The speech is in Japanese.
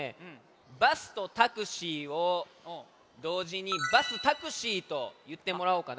バスとタクシーをどうじに「バスタクシー」といってもらおうかな。